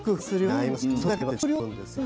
ないですよ。